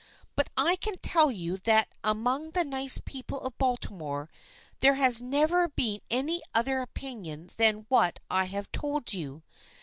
But I can tell you that among the nice people of Baltimore there has never been any other opinion than what I have told you.